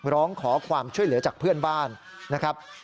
ร้องขอความช่วยเหลือจากเพื่อนบ้านนะครับ